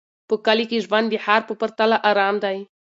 په کلي کې ژوند د ښار په پرتله ارام دی.